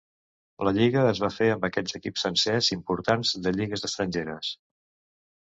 La lliga es va fer amb equips sencers importants de lligues estrangeres.